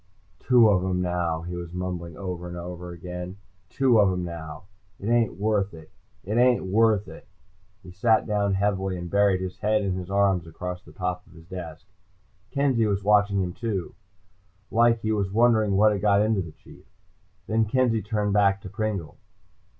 "Two of 'em now," he was mumbling over and over. "Two of 'em now. It ain't worth it. It ain't worth it." He sat down heavily and buried his head in his arms across the top of his desk. Kenzie was watching him too, like he was wondering what had got into the Chief. Then Kenzie turned back to Pringle.